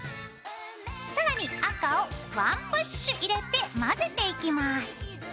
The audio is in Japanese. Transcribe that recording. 更に赤を１プッシュ入れて混ぜていきます。